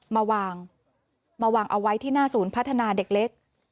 มาวางมาวางเอาไว้ที่หน้าศูนย์พัฒนาเด็กเล็ก